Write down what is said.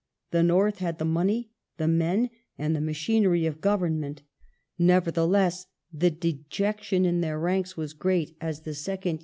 The North had the money, the men,^ and the machinery of Government. Never theless, the dejection in their ranks was great as the second year of ^ Cf.